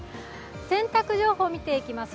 洗濯情報を見ていきます。